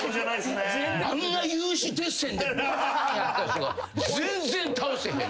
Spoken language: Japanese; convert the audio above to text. あんな有刺鉄線でパーンやってた人が全然倒せへん。